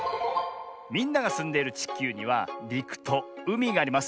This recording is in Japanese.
みんながすんでいるちきゅうにはりくとうみがあります。